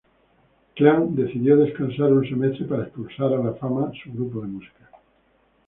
Klang decidió descansar un semestre para expulsar a la fama su grupo de música.